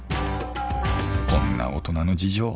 こんな大人の事情